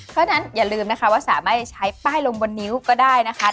เพราะฉะนั้นอย่าลืมนะคะว่าสามารถใช้ป้ายลงบนนิ้วก็ได้นะคะ